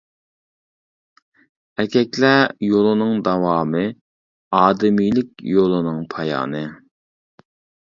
ئەركەكلەر يولىنىڭ داۋامى، ئادىمىيلىك يولىنىڭ پايانى.